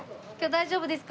大丈夫です。